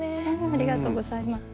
ありがとうございます。